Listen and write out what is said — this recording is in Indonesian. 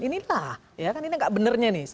inilah ya kan ini nggak benarnya nih